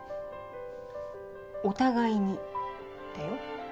お互いにだよ。